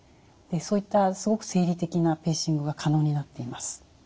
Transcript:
そういったすごく生理的なペーシングが可能になっています。